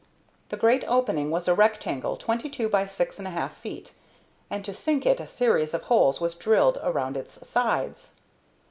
The great opening was a rectangle twenty two by six and a half feet, and to sink it a series of holes was drilled around its sides.